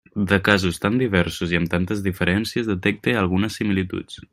De casos tan diversos i amb tantes diferències, detecte algunes similituds.